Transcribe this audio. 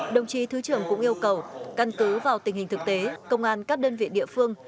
đồng chí thứ trưởng cũng yêu cầu căn cứ vào tình hình thực tế công an các đơn vị địa phương